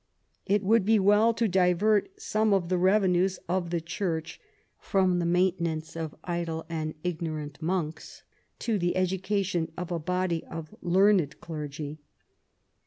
It would be well to divert some of the revenues of the Church from the maintenance of idle and ignorant monks to the education of a body of leaniedhj/ clergy.